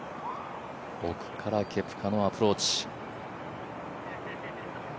奥からケプカのアプローチ。